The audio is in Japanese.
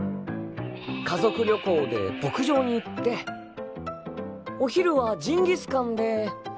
家族旅行で牧場に行ってお昼はジンギスカンで。